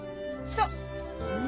そう。